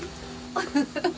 ウフフッ。